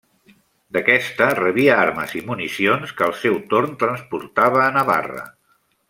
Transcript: D'aquesta rebia armes i municions que al seu torn transportava a Navarra.